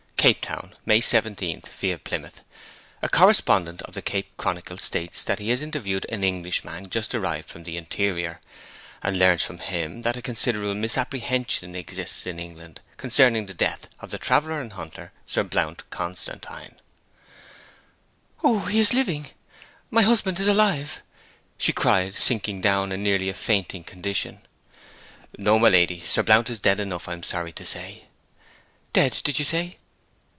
'"CAPE TOWN, May 17 (via Plymouth). A correspondent of the Cape Chronicle states that he has interviewed an Englishman just arrived from the interior, and learns from him that a considerable misapprehension exists in England concerning the death of the traveller and hunter, Sir Blount Constantine "' 'O, he's living! My husband is alive,' she cried, sinking down in nearly a fainting condition. 'No, my lady. Sir Blount is dead enough, I am sorry to say.' 'Dead, did you say?'